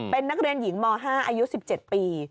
เป็นนักเรียนหญิงม๕อายุ๑๗ปี